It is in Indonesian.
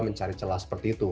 mencari celah seperti itu